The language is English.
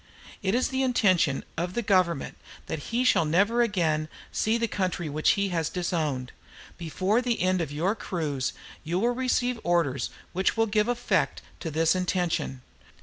"It is the intention of the Government that he shall never again see the country which he has disowned. Before the end of your cruise you will receive orders which will give effect to this intention.